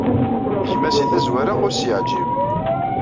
Gma, seg tazwara ur as-yeɛjib.